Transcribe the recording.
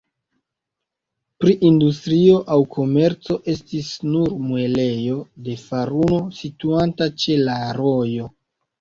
Pri industrio aŭ komerco estis nur muelejo de faruno, situanta ĉe la rojo.